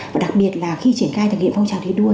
và đặc biệt là khi triển khai thực hiện phong trào thi đua